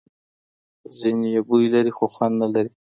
ځینې یې بوی لري خو خوند نه لري.